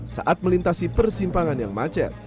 saat melintasi persimpangan yang macet